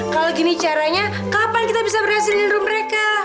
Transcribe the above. kalau gini caranya kapan kita bisa berhasil dindrome mereka